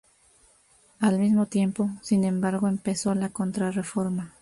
Al mismo tiempo, sin embargo, empezó la Contrarreforma.